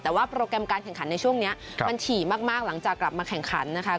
แต่ว่าโปรแกรมการแข่งขันในช่วงนี้มันฉี่มากหลังจากกลับมาแข่งขันนะคะ